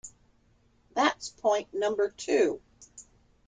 That's point number two.